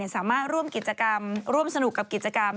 สามารถร่วมกิจกรรมร่วมสนุกกับกิจกรรม